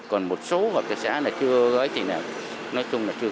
còn một số hợp trật xã là chưa nói chung là chưa kiên cố được